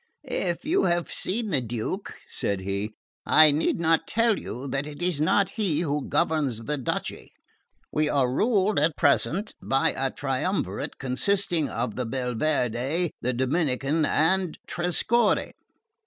"If you have seen the Duke," said he, "I need not tell you that it is not he who governs the duchy. We are ruled at present by a triumvirate consisting of the Belverde, the Dominican and Trescorre.